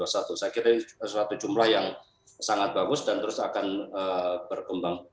saya kira ini suatu jumlah yang sangat bagus dan terus akan berkembang